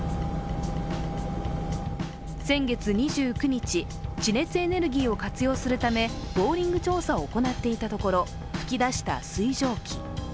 先月２９日、地熱エネルギーを活用するためボーリング調査を行っていたところ、噴き出した水蒸気。